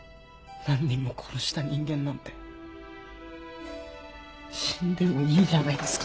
何人も殺した人間なんて死んでもいいじゃないですか。